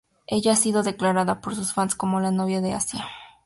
Ella ha sido declarada por sus fans como la novia de Asia.